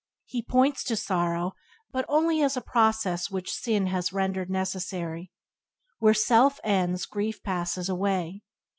He points to sorrow, but only as a process which sin has rendered necessary. Where self ends grief passes away.